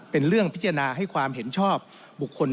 เป็นเรื่องพิจารณาให้ความเห็นชอบบุคคล